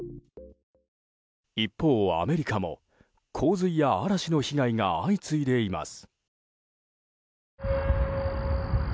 一方、アメリカも洪水や嵐の被害が相次いでいます。